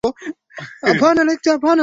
Mathalani ujenzi wa bomba la mafuta na Uganda